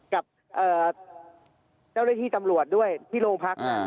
กับเจ้าและที่จำลวดด้วยที่โรงพักษ์